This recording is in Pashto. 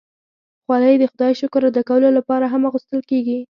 خولۍ د خدای شکر ادا کولو لپاره هم اغوستل کېږي.